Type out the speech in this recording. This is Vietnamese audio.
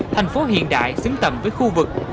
thành phố hiện đại xứng tầm với khu vực